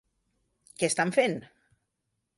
Què estan fent?